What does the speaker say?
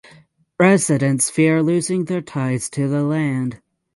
Residents fear losing their ties to the land.